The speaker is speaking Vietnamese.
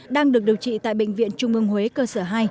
đang được điều trị tại bệnh viện trung ương huế cơ sở hai